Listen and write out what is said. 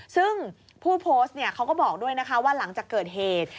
ซึ่งผู้โพสต์เขาก็บอกด้วยนะคะว่าหลังจากเกิดเหตุ